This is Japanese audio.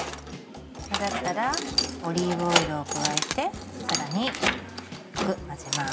混ざったらオリーブオイルを加えて更によく混ぜます。